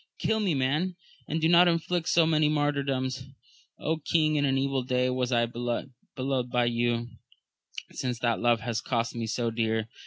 Kill me man, and do not inflict so many martyrdoms ! king, in an evil day was I beloved by you, since that love has cost me so dear